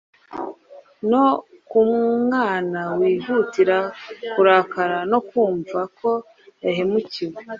No ku mwana wihutira kurakara no kumva ko yahemukiwe,